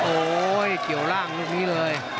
โอ้โหเกี่ยวร่างลูกนี้เลย